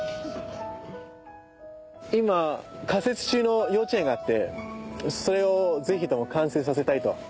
今仮設中の幼稚園があってそれをぜひとも完成させたいと。